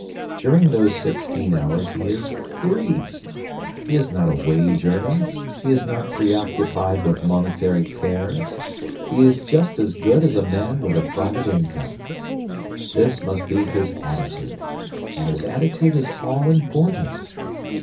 During those sixteen hours he is free; he is not a wage earner; he is not preoccupied with monetary cares; he is just as good as a man with a private income. This must be his attitude. And his attitude is all important.